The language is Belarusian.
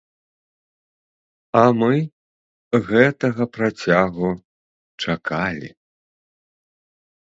А мы гэтага працягу чакалі.